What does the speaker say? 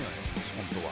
本当は。